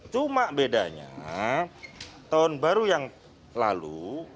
cuma bedanya tahun baru yang lalu